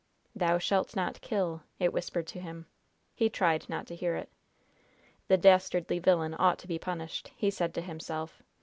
"Thou shalt not kill!" it whispered to him. He tried not to hear it. "The dastardly villain ought to be punished," he said to himself.